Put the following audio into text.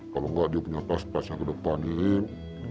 kalau nggak dia punya pas pas yang kedepanin